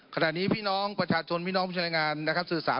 ขณะนี้พี่น้องประชาชนพี่น้องประชาชนนะครับสื่อสาร